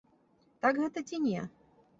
Так гэта ці не?